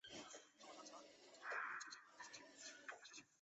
主要作为暖房或料理用途。